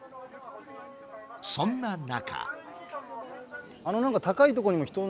そんな中。